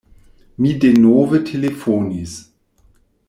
Mi denove telefonis.